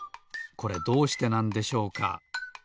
これどうしてなんでしょうか？